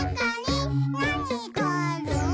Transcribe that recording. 「なにがある？」